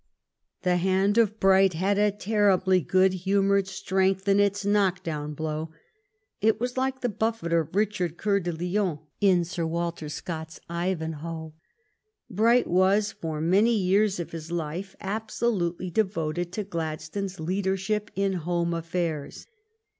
The hand of Bright had a terribly good humored strength in its knock down blow. It was like the buffet of Richard Coeur de Lion in Sir Walter Scott's " Ivanhoe." Bright was for many years of his life absolutely devoted to Gladstone's leadership in home affairs.